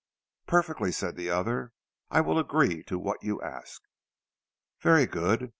"Perfectly," said the other. "I will agree to what you ask." "Very good.